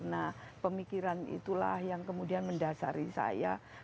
nah pemikiran itulah yang kemudian mendasari saya